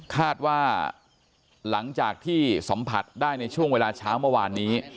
คาดว่าหลังจากที่สัมผัสได้ในช่วงเวลาเช้าเมื่อวานนี้